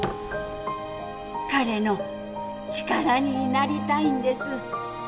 彼の力になりたいんです！